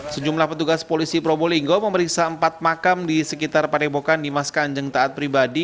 sejumlah petugas polisi probolinggo memeriksa empat makam di sekitar padepokan dimas kanjeng taat pribadi